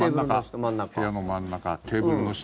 部屋の真ん中テーブルの下。